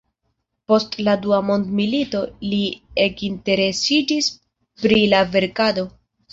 Post la dua mondmilito li ekinteresiĝis pri la verkado.